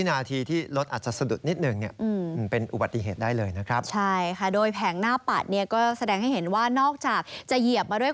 สังเกตดีสัญญาณเตือนคาดเข็มขัดนิรภัย